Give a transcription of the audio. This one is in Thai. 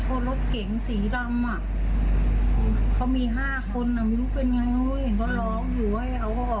เห็นเขาร้องอยู่ให้เอาออกหน่อยอะไรแบบนี้